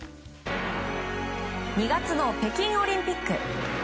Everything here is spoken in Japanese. ２月の北京オリンピック。